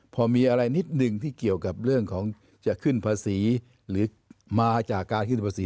พอมีอะไรนิดหนึ่งที่เกี่ยวกับเรื่องของจะขึ้นภาษีหรือมาจากการขึ้นภาษี